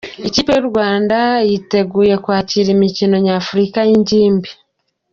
Ikipe y'u Rwanda yiutegura kwakira imikino Nyafurika y'ingimbi.